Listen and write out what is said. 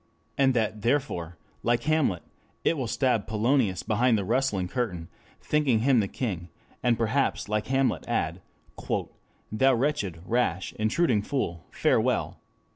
And that therefore, like Hamlet, it will stab Polonius behind the rustling curtain, thinking him the king, and perhaps like Hamlet add: "Thou wretched, rash, intruding fool, farewell!